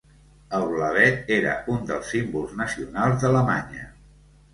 El blavet era un dels símbols nacionals d'Alemanya.